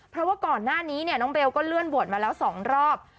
เพราะว่าก่อนหน้านี้เนี่ยน้องเบลก็เลื่อนบวชมาแล้ว๒รอบ